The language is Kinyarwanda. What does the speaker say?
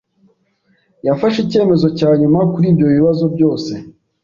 Yafashe icyemezo cya nyuma kuri ibyo bibazo byose.